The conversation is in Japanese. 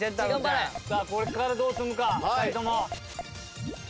さあここからどう積むか２人とも。